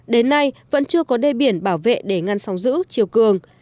đến nay vẫn chưa có đê biển bảo vệ để ngăn sóng giữ chiều cường